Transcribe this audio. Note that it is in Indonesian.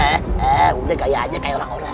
eh eh eh udah kaya aja kaya orang orang